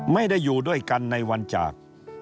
ไม่ได้อยู่ด้วยกันในวันจาก